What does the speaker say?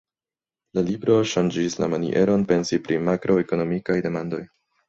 La libro ŝanĝis la manieron pensi pri makroekonomikaj demandoj.